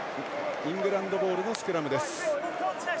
イングランドボールのスクラムです。